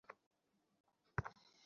এই বৈষম্যকে ধ্বংস করিবার জন্যই সংগ্রাম।